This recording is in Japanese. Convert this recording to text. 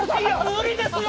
無理ですよ！